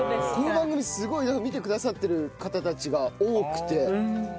この番組すごい見てくださってる方たちが多くて。